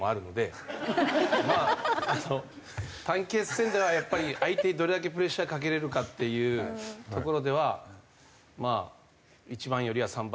まああの短期決戦ではやっぱり相手にどれだけプレッシャーかけれるかっていうところではまあ１番よりは３番のほうがいいかな。